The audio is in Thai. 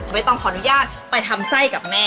ต้องขออนุญาตไปทำไส้กับแม่